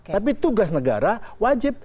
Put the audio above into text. tapi tugas negara wajib